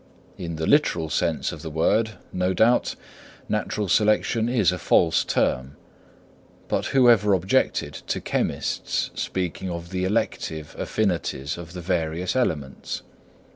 In the literal sense of the word, no doubt, natural selection is a false term; but who ever objected to chemists speaking of the elective affinities of the various elements?